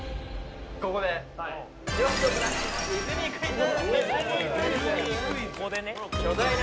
ここでディズニークイズ？